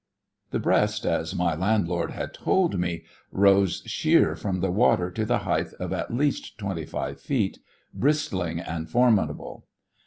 The breast, as my landlord had told me, rose sheer from the water to the height of at least twenty five feet, bristling and formidable.